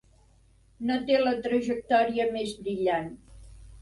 No té la trajectòria més brillant.